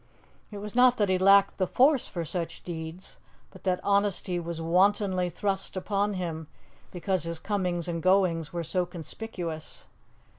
It was not that he lacked the force for such deeds, but that honesty was wantonly thrust upon him because his comings and goings were so conspicuous.